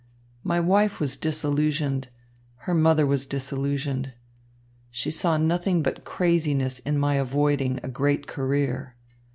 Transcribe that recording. My wife was disillusioned, her mother was disillusioned. She saw nothing but craziness in my avoiding a great career.